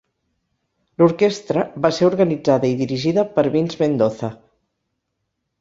L'orquestra va ser organitzada i dirigida per Vince Mendoza.